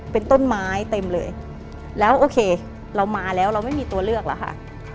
เป็นต้นไม้เต็มเลยแล้วโอเคเรามาแล้วเราไม่มีตัวเลือกหรอกค่ะ